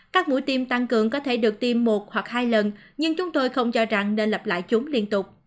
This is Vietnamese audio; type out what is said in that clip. các mũi tiêm tăng cường có thể được tiêm một hoặc hai lần nhưng chúng tôi không cho rằng nên lập lại chúng liên tục